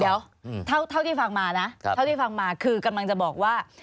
เดี๋ยวเท่าที่ฟังมานะเท่าที่ฟังมาคือกำลังจะบอกว่า